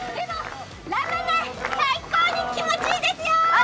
ラムネ、最高に気持ちいいですよ